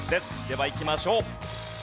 ではいきましょう。